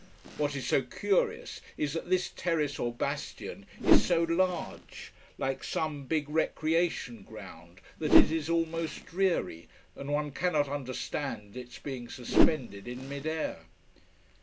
What is so curious is that this terrace or bastion is so large, like some big recreation ground, that it is almost dreary, and one cannot understand its being suspended in mid air.